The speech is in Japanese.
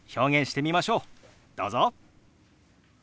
どうぞ！